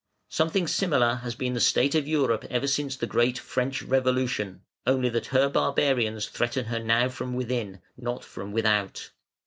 Something similar has been the state of Europe ever since the great French Revolution; only that her barbarians threaten her now from within, not from without.